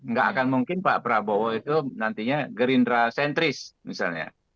nggak akan mungkin pak prabowo itu nantinya gerindra sentris misalnya